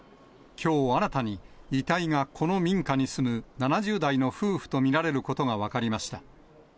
きょう新たに、遺体が、この民家に住む７０代の夫婦と見られることが分かりました。